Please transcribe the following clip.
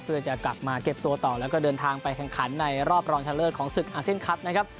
เพื่อจะกลับมาเก็บตัวต่อแล้วก็เดินทางไปแข่งขันในรอบรองชะเลิศของศึกอาเซียนคลับนะครับ